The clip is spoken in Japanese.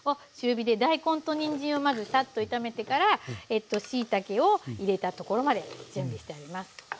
中火で大根とにんじんをまずサッと炒めてからしいたけを入れたところまで準備してあります。